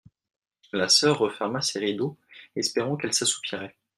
La soeur referma ses rideaux, espérant qu'elle s'assoupirait.